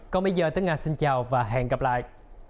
còn bây giờ tất cả xin chào và hẹn gặp lại